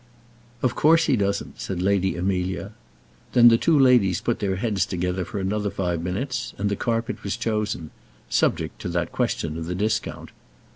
"Of course he doesn't," said Lady Amelia. Then the two ladies put their heads together for another five minutes, and the carpet was chosen subject to that question of the discount.